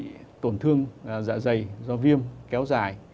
bị tổn thương dạ dày do viêm kéo dài